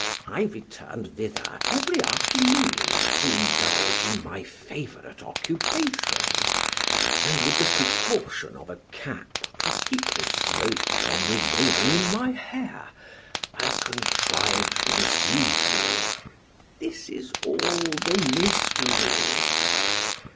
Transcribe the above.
I returned thither every afternoon, to indulge in my favorite occupation; and, with the precaution of a cap to keep the smoke from remaining in my hair, I contrived to deceive you. This is all the mystery.